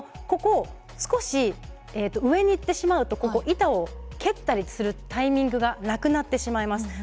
ここ少し上にいってしまうと板を蹴ったりするタイミングがなくなってしまいます。